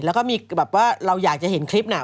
แล้วก็มีแบบว่าเราอยากจะเห็นคลิปน่ะ